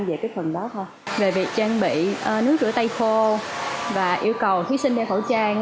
về việc trang bị nước rửa tay khô và yêu cầu khí sinh đeo khẩu trang